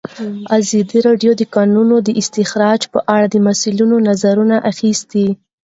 ازادي راډیو د د کانونو استخراج په اړه د مسؤلینو نظرونه اخیستي.